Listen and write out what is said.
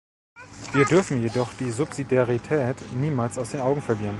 Wir dürfen jedoch die Subsidiarität niemals aus den Augen verlieren.